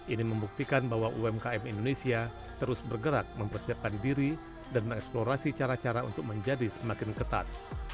ini membuktikan bahwa umkm indonesia terus bergerak mempersiapkan diri dan mengeksplorasi cara cara untuk menjadi semakin ketat